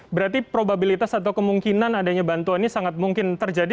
berarti probabilitas atau kemungkinan adanya bantuan ini sangat mungkin terjadi